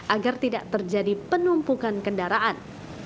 agar tidak terjadi penumpukan kendaraan